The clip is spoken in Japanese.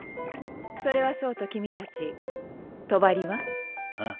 それはそうと君たち帳は？あっ。